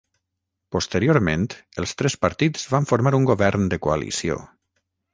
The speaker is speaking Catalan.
Posteriorment, els tres partits van formar un govern de coalició.